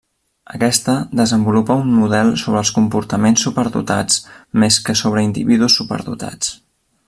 Aquesta, desenvolupa un model sobre els comportaments superdotats més que sobre individus superdotats.